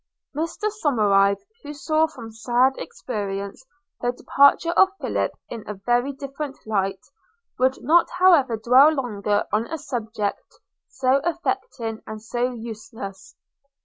Mr. Somerive, who saw from sad experience the departure of Philip in a very different light, would not however dwell longer on a subject so affecting and so useless.